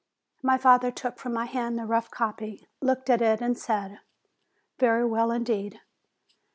My father took from my hand the rough copy, looked at it, and said, "Very well, indeed."